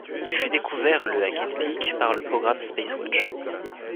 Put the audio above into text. Il fut découvert le à Kitt Peak par le programme Spacewatch.